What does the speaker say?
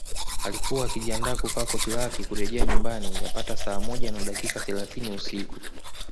Alikuwa akijiandaa kuvaa koti lake kurejea nyumbani yapata saa moja na dakika thelathini usiku